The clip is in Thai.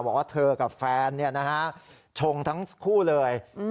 บอกว่าเธอกับแฟนชงทั้งคู่เลย